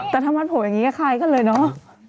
แต่ถ้ามัดโผล่อย่างนี้ก็คล้ายกันเลยเนอะ